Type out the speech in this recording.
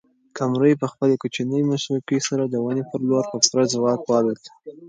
قمرۍ په خپلې کوچنۍ مښوکې سره د ونې پر لور په پوره ځواک والوته.